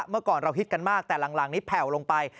เมื่อก่อนเราฮิตกันมากแต่หลังนี้แผ่วลงไป